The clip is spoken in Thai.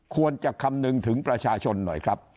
คำนึงถึงประชาชนหน่อยครับ